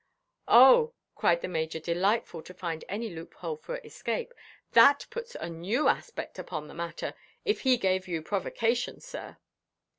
"Oh!" cried the Major, delighted to find any loophole for escape, "that puts a new aspect upon the matter, if he gave you provocation, sir."